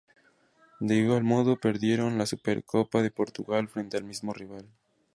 De igual modo, perdieron la Supercopa de Portugal frente al mismo rival.